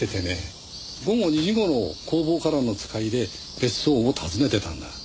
午後２時頃工房からの使いで別荘を訪ねてたんだ。